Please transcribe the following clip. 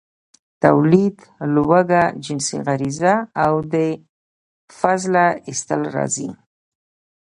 ، توليد، لوږه، جنسي غريزه او د فضله ايستل راځي.